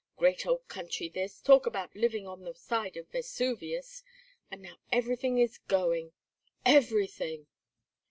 Great old country this. Talk about living on the side of Vesuvius. And now everything is going, everything!"